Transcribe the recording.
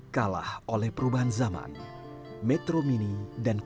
kalah oleh perubahan zaman metro mini dan kopaja kini tinggallah cerita